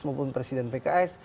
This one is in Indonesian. maupun presiden pks